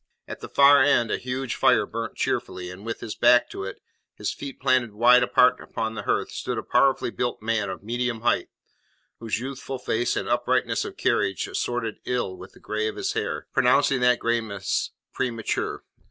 At the far end a huge fire burnt cheerfully, and with his back to it, his feet planted wide apart upon the hearth, stood a powerfully built man of medium height, whose youthful face and uprightness of carriage assorted ill with the grey of his hair, pronouncing that greyness premature.